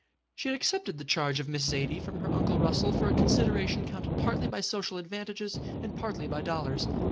She had accepted the charge of Miss Zaidie from her Uncle Russell for a consideration counted partly by social advantages and partly by dollars.